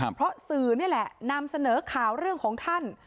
เพราะสื่อนี่แหละนำเสนอข่าวเรื่องของท่าน